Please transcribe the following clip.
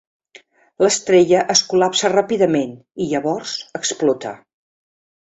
L'estrella es col·lapsa ràpidament, i llavors explota.